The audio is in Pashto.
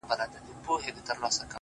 o چـي اخترونـه پـه واوښـتــل ـ